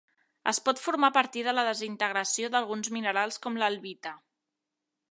Es pot formar a partir de la desintegració d'alguns minerals com l'albita.